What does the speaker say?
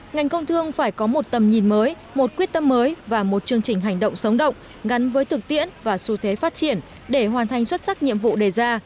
ngành công thương phải có một tầm nhìn mới một quyết tâm mới và một chương trình hành động sống động gắn với thực tiễn và xu thế phát triển để hoàn thành xuất sắc nhiệm vụ đề ra